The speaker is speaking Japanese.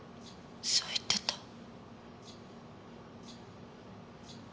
そう言ってた。